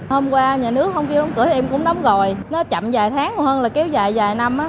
hôm qua nhà nước không kêu đóng cửa thì em cũng đóng rồi nó chậm vài tháng còn hơn là kéo dài vài năm á